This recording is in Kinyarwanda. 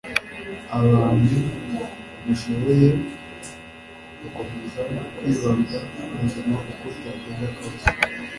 abantu babishoboye bakomeza kwibanda ku buzima uko byagenda kose